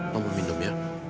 mau minum ya